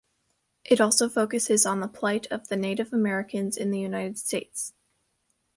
It also focuses on the plight of the Native Americans in the United States.